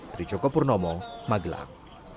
dari joko purnomo magelang